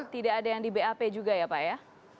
tidak ada yang di bap juga ya pak ya